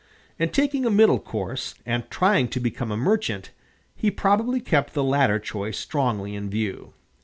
In taking a middle course, and trying to become a merchant, he probably kept the latter choice strongly in view.